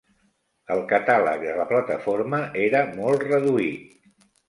El catàleg de la plataforma era molt reduït.